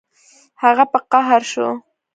هغه په قهر شو